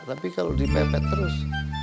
tapi kalau dipepet terus